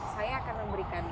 saya akan memberikan